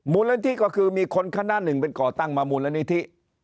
มูลนิธิก็คือมีคนคณะหนึ่งเป็นก่อตั้งมามูลนิธิ